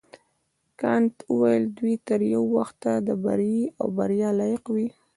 کانت وویل دوی تر یو وخته د بري او بریا لایق وي.